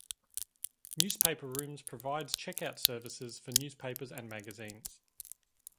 Newspaper rooms provides checkout services for newspapers and magazines.